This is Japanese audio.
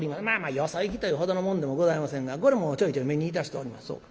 まあまあよそ行きというほどのもんでもございませんがこれもちょいちょい目にいたしております」。